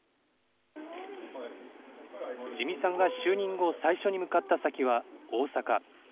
自見さんが就任後、最初に向かった先は大阪。